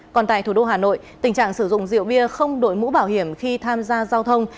còn tại thủ đô hà nội tình trạng sử dụng rượu bia không đội mũ bảo hiểm khi tham gia giao thông